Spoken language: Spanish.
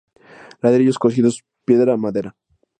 Ladrillos cocidos, piedra, madera.